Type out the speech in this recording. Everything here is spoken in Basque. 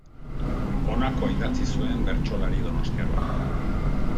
Honakoa idatzi zuen bertsolari donostiar batek.